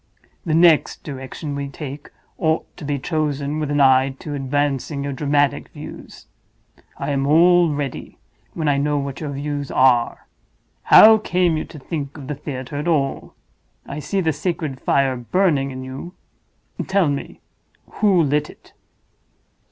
The next direction we take ought to be chosen with an eye to advancing your dramatic views. I am all ready, when I know what your views are. How came you to think of the theater at all? I see the sacred fire burning in you; tell me, who lit it?"